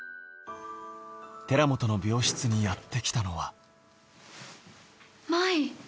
寺本の病室にやって来たのは。